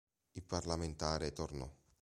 Il parlamentare tornò.